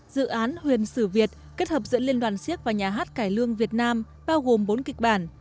dự án huyền sử việt kết hợp giữa liên đoàn siếc và nhà hát cải lương việt nam bao gồm bốn kịch bản